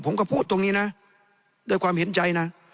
ผมก็พูดตรงนี้นะด้วยความเห็นใจนะ